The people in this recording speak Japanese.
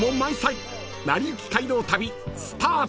［『なりゆき街道旅』スタートです］